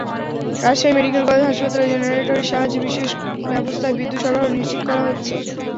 Rajshahi medical college হাসপাতালে জেনারেটরের সাহায্যে বিশেষ ব্যবস্থায় বিদ্যুৎ সরবরাহ নিশ্চিত করা হচ্ছে।